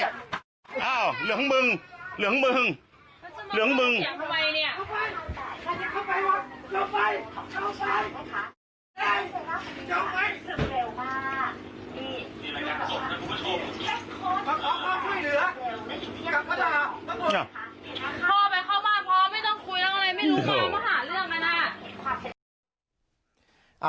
พ่อไปเข้าบ้านพ่อไม่ต้องคุยอะไรไม่รู้ว่ามาหาเรื่องไหนล่ะ